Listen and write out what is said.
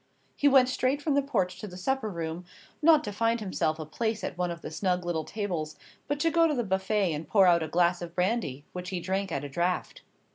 He went straight from the porch to the supper room, not to find himself a place at one of the snug little tables, but to go to the buffet and pour out a glass of brandy, which he drank at a draught.